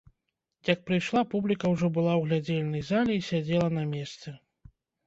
Як прыйшла, публіка ўжо была ў глядзельнай зале й сядзела на месцы.